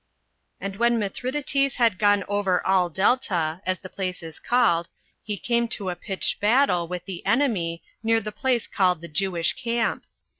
2. And when Mithridates had gone over all Delta, as the place is called, he came to a pitched battle with the enemy, near the place called the Jewish Camp.